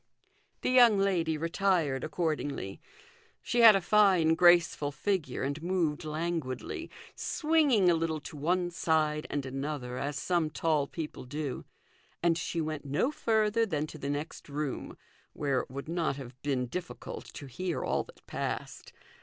The young lady retired accordingly. She had a fine, graceful figure, and moved languidly, swinging a little to one side and another as some tall people do ; and she went no further than to the next room, where it would not have been difficult to hear all that passed.